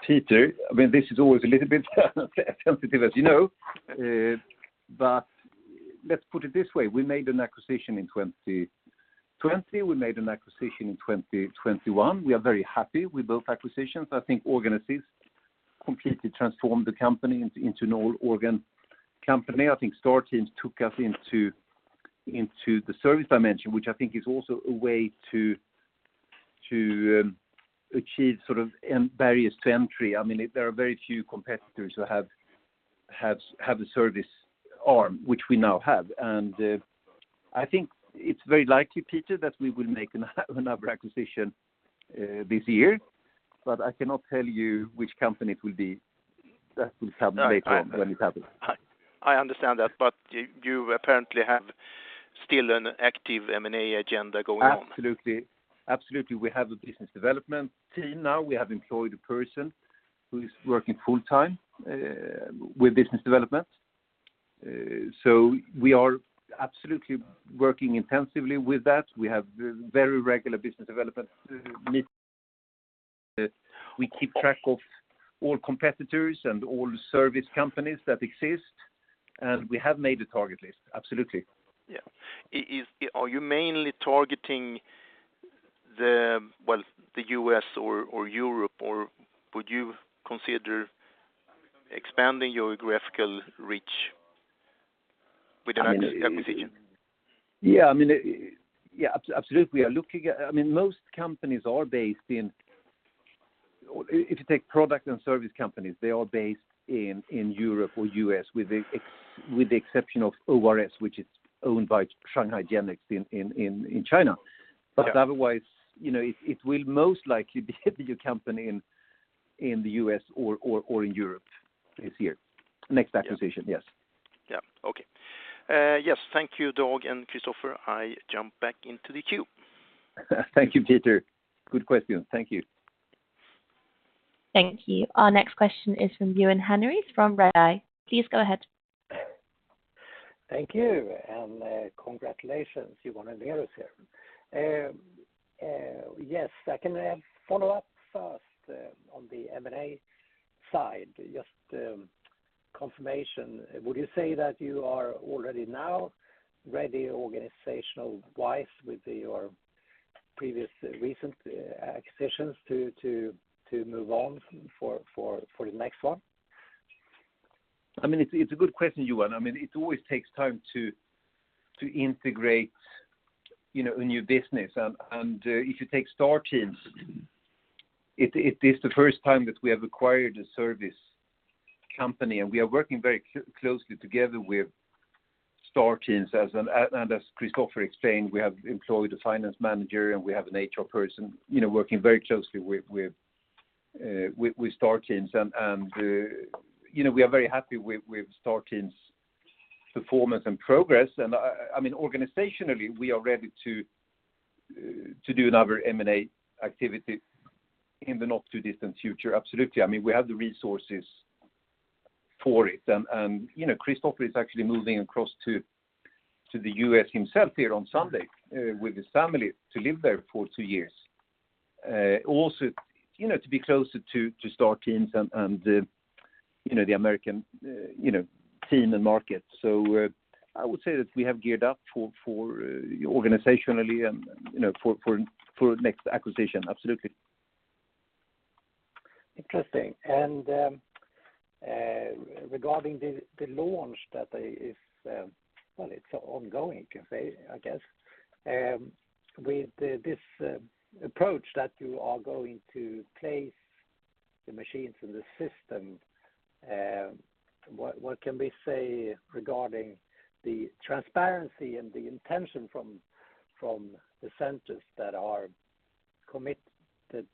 Peter, I mean, this is always a little bit sensitive, as you know. But let's put it this way. We made an acquisition in 2020. We made an acquisition in 2021. We are very happy with both acquisitions. I think Organ Assist completely transformed the company into an all organ company. I think Star Teams took us into the service dimension, which I think is also a way to achieve sort of barriers to entry. I mean, there are very few competitors who have the service arm, which we now have. I think it's very likely, Peter, that we will make another acquisition this year, but I cannot tell you which company it will be. That will come later on when it happens. I understand that, but you apparently have still an active M&A agenda going on. Absolutely. We have a business development team now. We have employed a person who is working full-time with business development. We are absolutely working intensively with that. We have very regular business development meetings. We keep track of all competitors and all service companies that exist, and we have made a target list. Absolutely. Are you mainly targeting well, the U.S. or Europe, or would you consider expanding your geographical reach with an acquisition? Absolutely. I mean, if you take product and service companies, they are based in Europe or the U.S. with the exception of ORS, which is owned by Shanghai Genext in China. Yeah. Otherwise, you know, it will most likely be a new company in the U.S. or in Europe this year. Next acquisition. Yes. Yeah. Okay. Yes. Thank you, Dag and Kristoffer. I jump back into the queue. Thank you, Peter. Good question. Thank you. Thank you. Our next question is from Johan Unnerus from Redeye. Please go ahead. Thank you and congratulations. You want to hear us here. Yes. Second, follow-up first, on the M&A side, just confirmation. Would you say that you are already now ready organizational-wise with your previous recent acquisitions to move on for the next one? I mean, it's a good question, Johan. I mean, it always takes time to integrate, you know, a new business. If you take Star Teams, it is the first time that we have acquired a service company, and we are working very closely together with Star Teams. As Kristoffer explained, we have employed a finance manager, and we have an HR person, you know, working very closely with Star Teams. You know, we are very happy with Star Teams' performance and progress. I mean, organizationally, we are ready to do another M&A activity in the not-too-distant future. Absolutely. I mean, we have the resources for it. You know, Kristoffer is actually moving across to the U.S. himself here on Sunday with his family to live there for two years. Also, you know, to be closer to Star Teams and the, you know, the American team and market. I would say that we have geared up organizationally and, you know, for next acquisition. Absolutely. Interesting. Regarding the launch that is ongoing, you can say, I guess. With this approach that you are going to place the machines in the system, what can we say regarding the transparency and the intention from the centers that are committed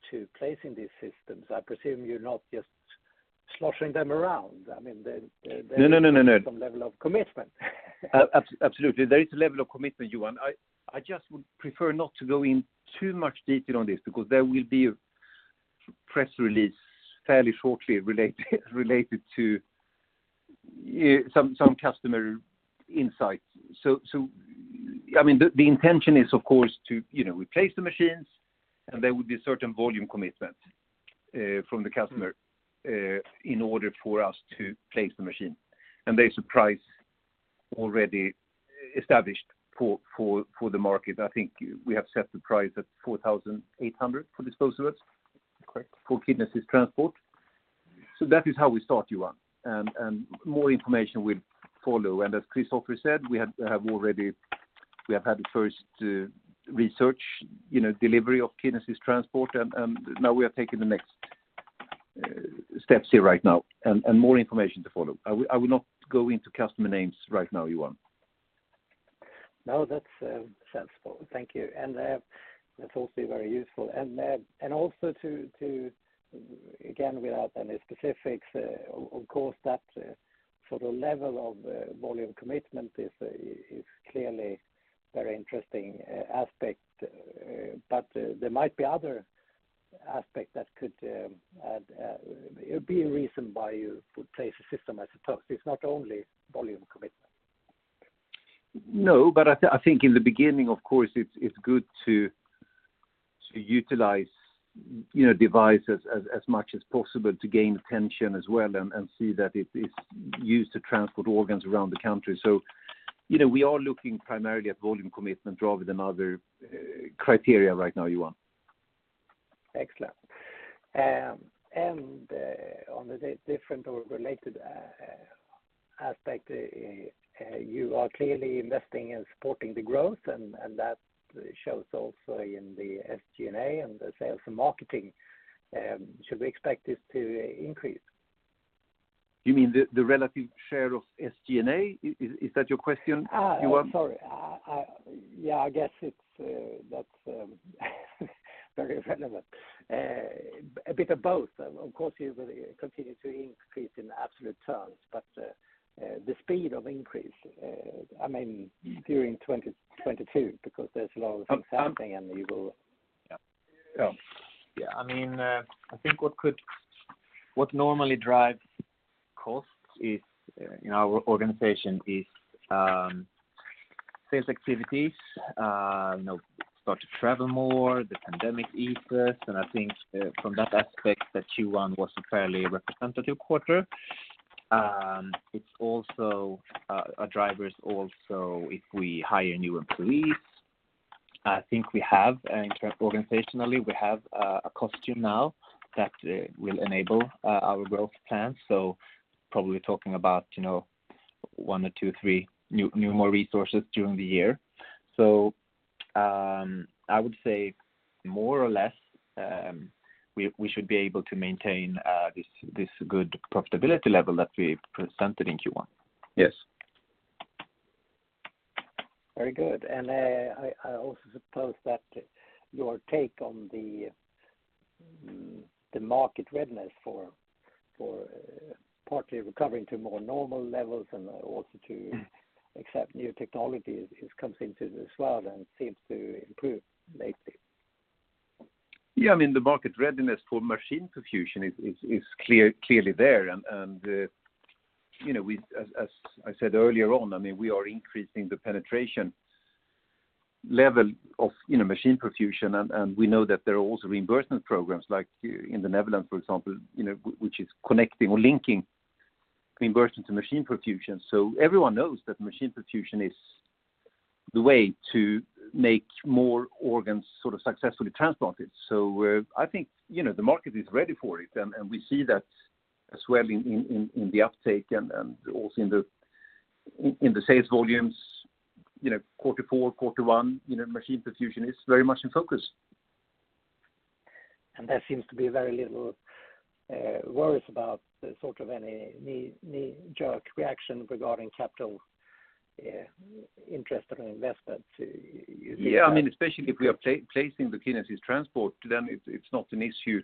to placing these systems? I presume you're not just scattering them around. I mean, there. No. is some level of commitment. Absolutely. There is a level of commitment, Johan. I just would prefer not to go in too much detail on this because there will be a press release fairly shortly related to some customer insights. I mean, the intention is, of course, you know, to replace the machines, and there will be certain volume commitment from the customer. Mm-hmm In order for us to place the machine. There's a price already established for the market. I think we have set the price at 4,800 for the disposables. Correct. For Kidney Assist Transport. That is how we start, Johan. More information will follow. As Kristoffer said, we have already—we have had the first research, you know, delivery of Kidney Assist Transport, and now we are taking the next steps here right now and more information to follow. I will not go into customer names right now, Johan. No, that's sensible. Thank you. That's also very useful. Also, too, again, without any specifics, of course, that sort of level of volume commitment is clearly very interesting aspect. There might be other aspect that could add. It would be a reason why you would place a system as opposed. It's not only volume commitment. No, but I think in the beginning, of course, it's good to utilize, you know, devices as much as possible to gain attention as well and see that it is used to transport organs around the country. You know, we are looking primarily at volume commitment rather than other criteria right now, Johan. Excellent. On a different or related aspect, you are clearly investing in supporting the growth and that shows also in the SG&A and the sales and marketing. Should we expect this to increase? You mean the relative share of SG&A? Is that your question, Johan? Sorry. I guess it's very relevant. A bit of both. Of course, you will continue to increase in absolute terms, but the speed of increase, I mean during 2022 because there's a lot of things happening and you will... Yeah. Yeah. I mean, I think what normally drives costs is, in our organization, sales activities. You know, start to travel more, the pandemic eases, and I think from that aspect, that Q1 was a fairly representative quarter. It's also our drivers if we hire new employees. I think we have, organizationally, a custom now that will enable our growth plans. Probably talking about, you know, 1-3 new more resources during the year. I would say more or less, we should be able to maintain this good profitability level that we presented in Q1. Yes. Very good. I also suppose that your take on the market readiness for partly recovering to more normal levels and also to accept new technologies comes into this as well and seems to improve lately. Yeah. I mean, the market readiness for machine perfusion is clearly there. As I said earlier on, I mean, we are increasing the penetration level of, you know, machine perfusion. We know that there are also reimbursement programs like here in the Netherlands, for example, you know, which is connecting or linking reimbursement to machine perfusion. Everyone knows that machine perfusion is the way to make more organs sort of successfully transplanted. I think, you know, the market is ready for it. We see that as well in the uptake and also in the sales volumes. You know, quarter four, quarter one, you know, machine perfusion is very much in focus. There seems to be very little worries about sort of any knee-jerk reaction regarding capital interest and investment. Yeah. I mean, especially if we are placing the Kidney Assist Transport, then it's not an issue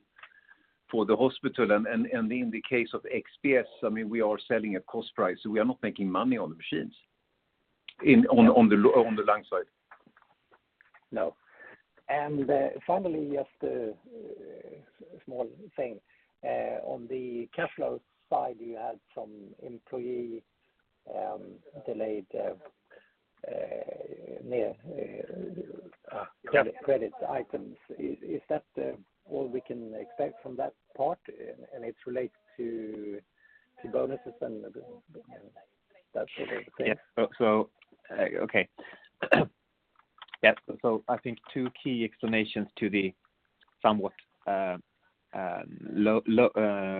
for the hospital. In the case of XPS, I mean, we are selling at cost price, so we are not making money on the machines on the lung side. No. Finally, just a small thing. On the cash flow side, you had some employee deferred non-cash items. Is that all we can expect from that part and it relates to bonuses and that sort of thing? I think two key explanations to the somewhat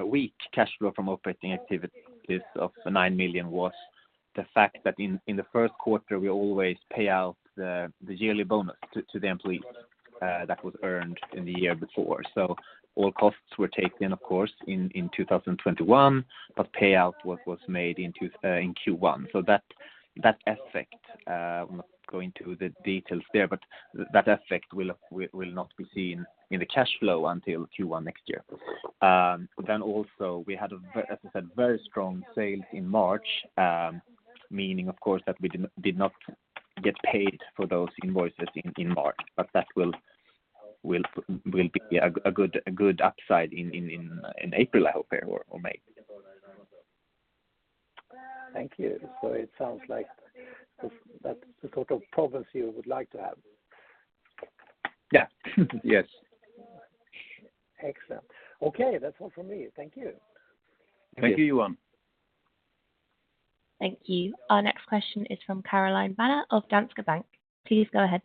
weak cash flow from operating activities of 9 million was the fact that in the Q1, we always pay out the yearly bonus to the employees that was earned in the year before. All costs were taken, of course, in 2021, but payout was made in Q1. That effect, I'm not going into the details there, but that effect will not be seen in the cash flow until Q1 next year. Then also we had a very, as I said, strong sales in March, meaning of course, that we did not get paid for those invoices in March. That will be a good upside in April, I hope, or May. Thank you. It sounds like that's the sort of problems you would like to have. Yeah. Yes. Excellent. Okay. That's all from me. Thank you. Thank you, Johan. Thank you. Our next question is from Caroline Banér of Danske Bank. Please go ahead.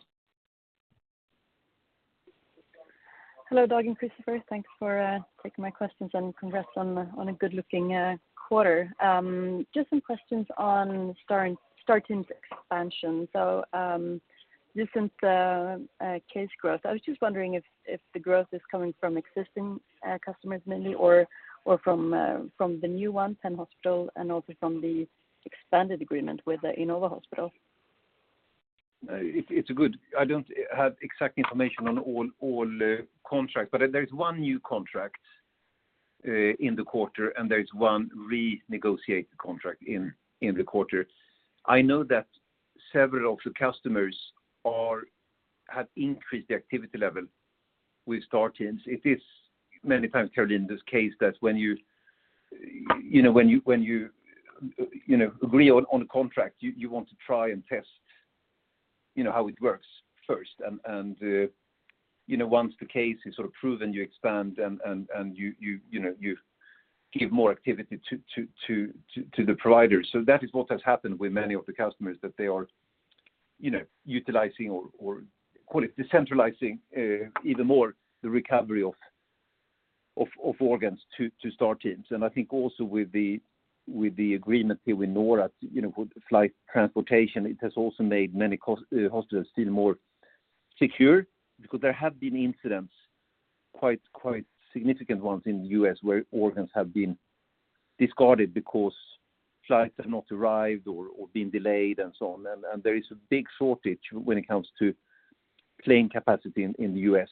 Hello, Dag and Kristoffer. Thanks for taking my questions and congrats on a good-looking quarter. Just some questions on Star Teams' expansion. Recent case growth. I was just wondering if the growth is coming from existing customers mainly or from the new ones and hospital and also from the expanded agreement with the Inova Hospital. I don't have exact information on all contracts, but there's one new contract in the quarter, and there's one renegotiated contract in the quarter. I know that several of the customers have increased the activity level with Star Teams. It is many times carried in this case that when you know, when you agree on a contract, you want to try and test, you know, how it works first. You know, once the case is sort of proven, you expand and you know, you give more activity to the providers. That is what has happened with many of the customers that they are, you know, utilizing or call it decentralizing even more the recovery of organs to Star Teams. I think also with the agreement here with NORA, you know, with flight transportation, it has also made many hospitals feel more secure because there have been incidents, quite significant ones in the U.S. where organs have been discarded because flights have not arrived or been delayed and so on. There is a big shortage when it comes to plane capacity in the U.S.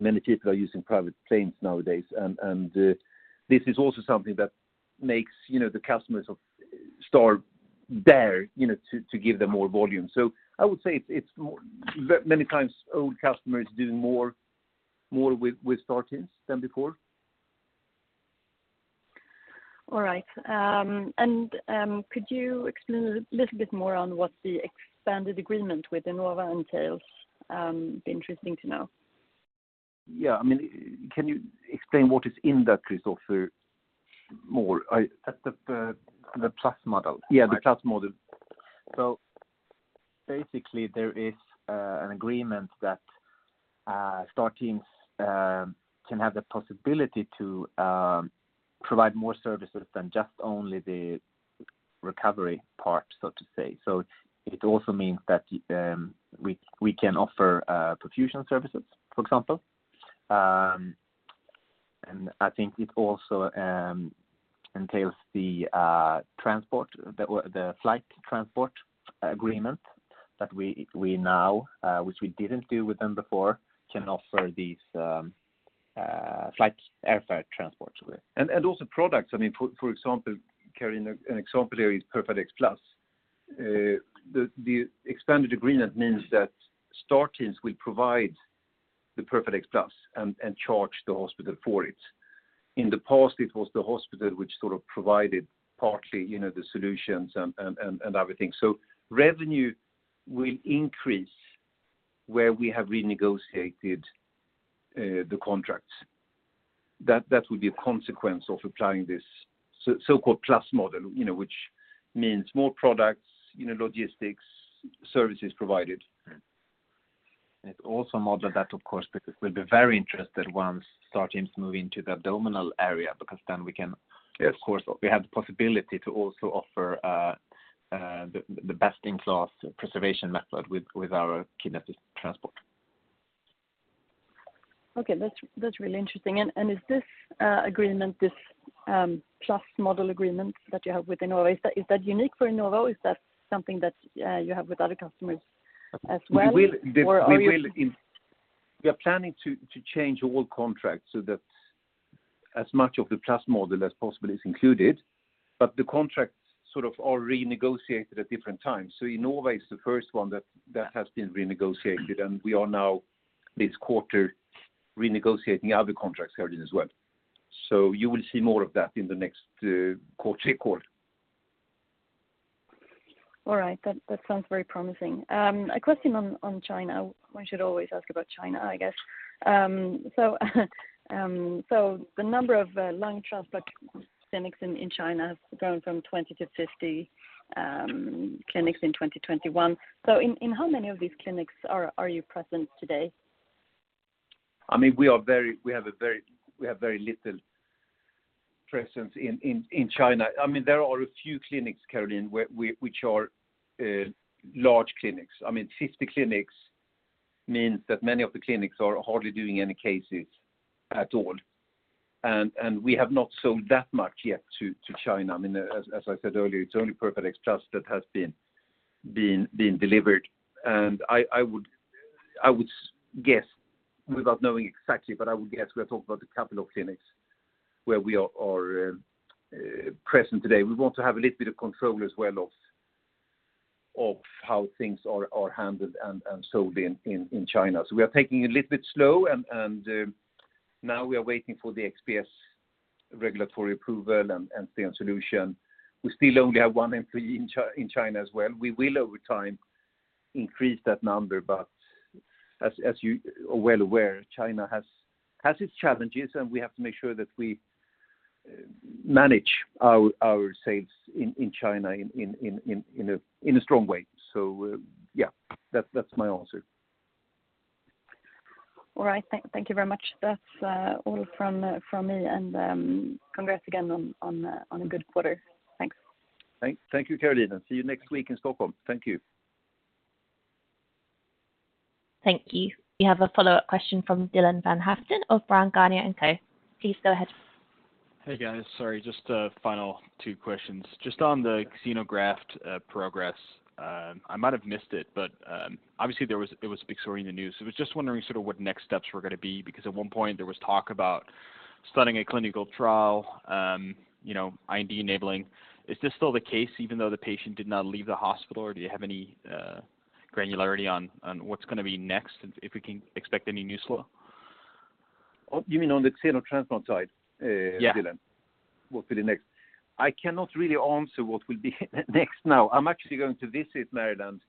Many people are using private planes nowadays, and this is also something that makes, you know, the customers of Star Teams dare, you know, to give them more volume. I would say it's more, many times old customers doing more with Star Teams than before. All right. Could you explain a little bit more on what the expanded agreement with Inova entails? It'd be interesting to know. Yeah. I mean, can you explain what is in that Kristoffer more? At the plus model. Yeah, the plus model. Basically, there is an agreement that Star Teams can have the possibility to provide more services than just only the recovery part, so to say. It also means that we can offer perfusion services, for example. I think it also entails the transport, the flight transport agreement that we now, which we didn't do with them before, can offer these flight and air transports. also products. I mean, for example, there is PERFADEX Plus. The expanded agreement means that Star Teams will provide the PERFADEX Plus and charge the hospital for it. In the past, it was the hospital which sort of provided partly, you know, the solutions and everything. Revenue will increase where we have renegotiated the contracts. That would be a consequence of applying this so-called plus model, you know, which means more products, you know, logistics, services provided. It's also a model that of course will be very interesting once Star Teams move into the abdominal area, because then we can. Yes... of course, we have the possibility to also offer the best-in-class preservation method with our kidney transport. Okay. That's really interesting. Is this agreement, this plus model agreement that you have with Inova, is that unique for Inova? Is that something that you have with other customers as well? Or are you- We are planning to change all contracts so that as much of the plus model as possible is included, but the contracts sort of are renegotiated at different times. Inova is the first one that has been renegotiated, and we are now this quarter renegotiating other contracts, Caroline, as well. You will see more of that in the next quarter, Q4. All right. That sounds very promising. A question on China. One should always ask about China, I guess. The number of lung transplant clinics in China has grown from 20 to 50 clinics in 2021. In how many of these clinics are you present today? I mean, we have very little presence in China. I mean, there are a few clinics, Caroline, which are large clinics. I mean, 50 clinics means that many of the clinics are hardly doing any cases at all. We have not sold that much yet to China. I mean, as I said earlier, it's only PERFADEX Plus that has been delivered. I would guess without knowing exactly, but I would guess we are talking about a couple of clinics where we are present today. We want to have a little bit of control as well of how things are handled and sold in China. We are taking a little bit slow, and now we are waiting for the XPS regulatory approval and STEEN Solution. We still only have one employee in China as well. We will over time increase that number, but as you are well aware, China has its challenges, and we have to make sure that we manage our sales in China in a strong way. Yeah, that's my answer. All right. Thank you very much. That's all from me and congrats again on a good quarter. Thanks. Thank you, Caroline, and see you next week in Stockholm. Thank you. Thank you. We have a follow-up question from Dylan van Haaften of Bryan, Garnier & Co. Please go ahead. Hey, guys. Sorry, just a final two questions. Just on the xenograft progress, I might have missed it, but obviously, it was a big story in the news. I was just wondering sort of what next steps were gonna be, because at one point, there was talk about starting a clinical trial, you know, IND enabling. Is this still the case even though the patient did not leave the hospital, or do you have any granularity on what's gonna be next and if we can expect any news flow? Oh, you mean on the xenotransplant side, Dylan? Yeah. What will be the next. I cannot really answer what will be next now. I'm actually going to visit Maryland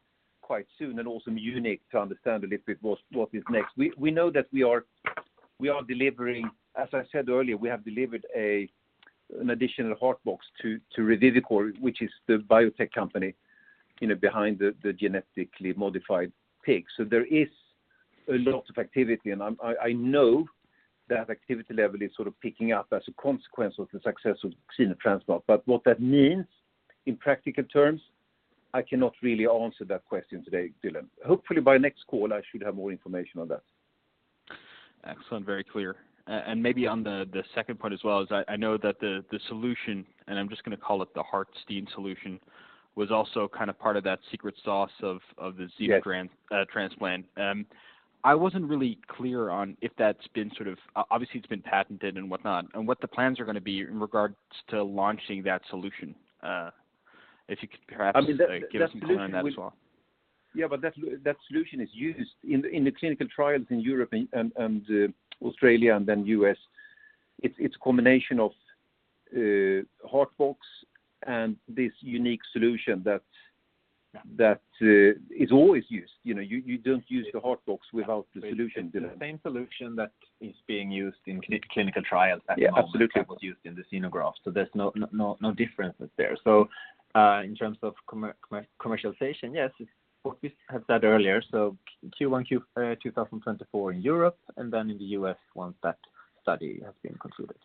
quite soon and also Munich to understand a little bit what is next. We know that we are delivering as I said earlier, we have delivered an additional Heart Box to Revivicor, which is the biotech company. You know, behind the genetically modified pig. There is a lot of activity, and I know that activity level is sort of picking up as a consequence of the success of xenotransplant. What that means in practical terms, I cannot really answer that question today, Dylan. Hopefully by next call, I should have more information on that. Excellent. Very clear. And maybe on the second part as well is I know that the solution, and I'm just gonna call it the heart STEEN solution, was also kind of part of that secret sauce of the xeno- Yes transplant. I wasn't really clear on if that's been sort of obviously, it's been patented and whatnot, and what the plans are gonna be in regards to launching that solution. If you could perhaps- I mean, that solution. Give some color on that as well. Yeah. That solution is used in the clinical trials in Europe and Australia and then U.S. It's combination of HeartBox and this unique solution that. Yeah that is always used. You know, you don't use the Heart Box without the solution, Dylan. It's the same solution that is being used in clinical trials at the moment. Yeah, absolutely. That was used in the xenograft. There's no difference there. In terms of commercialization, yes, it's what we have said earlier. Q1 2024 in Europe and then in the U.S. once that study has been concluded.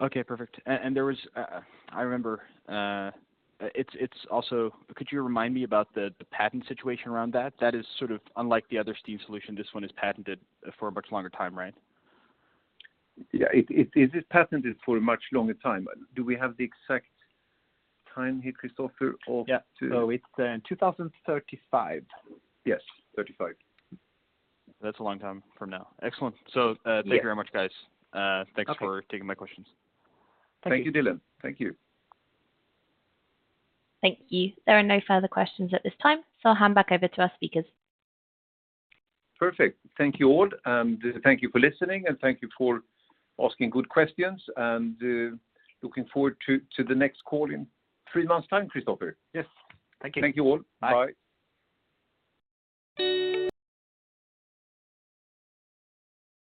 Okay, perfect. I remember, it's also. Could you remind me about the patent situation around that? That is sort of unlike the other STEEN Solution. This one is patented for a much longer time, right? Yeah. It is patented for a much longer time. Do we have the exact time here, Kristoffer, or to- Yeah. It's 2035. Yes, 35. That's a long time from now. Excellent. Yeah. Thank you very much, guys. Okay. Thanks for taking my questions. Thank you. Thank you. Thank you, Dylan. Thank you. Thank you. There are no further questions at this time, so I'll hand back over to our speakers. Perfect. Thank you all, and thank you for listening, and thank you for asking good questions. Looking forward to the next call in three months' time, Kristoffer. Yes. Thank you. Thank you all. Bye. Bye.